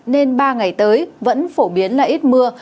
nên ba ngày tới vẫn phổ biến là ít mưa